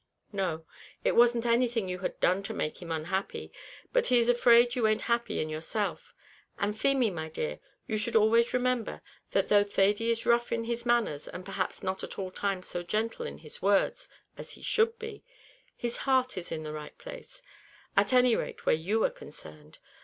"No, it wasn't anything you had done to make him unhappy, but he is afraid you ain't happy in yourself; and Feemy, my dear, you should always remember, that though Thady is rough in his manners, and perhaps not at all times so gentle in his words as he should be, his heart is in the right place, at any rate where you are concerned.